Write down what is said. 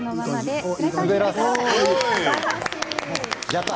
やった。